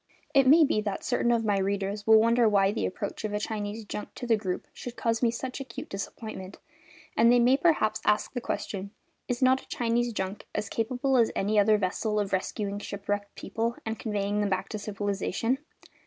It may be that certain of my readers will wonder why the approach of a Chinese junk to the group should cause me such acute disappointment, and they may perhaps ask the question: "Is not a Chinese junk as capable as any other vessel of rescuing shipwrecked people and conveying them back to civilisation?"